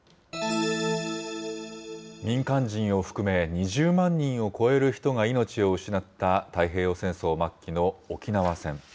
民間人を含め、２０万人を超える人が命を失った太平洋戦争末期の沖縄戦。